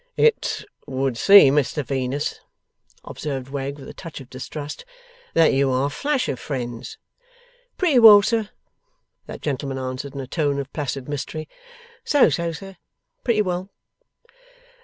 'It would seem, Mr Venus,' observed Wegg, with a touch of distrust, 'that you are flush of friends?' 'Pretty well, sir,' that gentleman answered, in a tone of placid mystery. 'So so, sir. Pretty well.